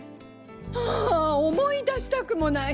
ああ思い出したくもない。